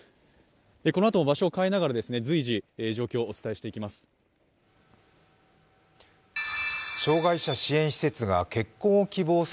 このあと場所を変えながら随時状況をお伝えしていきます。